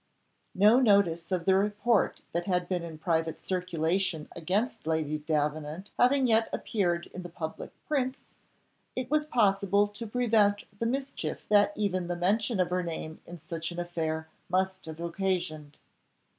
No notice of the report that had been in private circulation against Lady Davenant having yet appeared in the public prints, it was possible to prevent the mischief that even the mention of her name in such an affair must have occasioned.